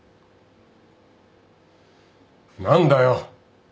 何だよ。